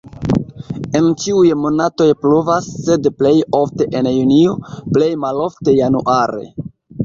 En ĉiuj monatoj pluvas, sed plej ofte en junio, plej malofte januare.